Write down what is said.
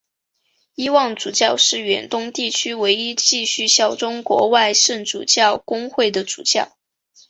伊望主教是远东地区唯一继续效忠国外圣主教公会的主教。